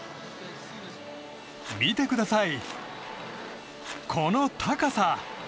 見てください、この高さ。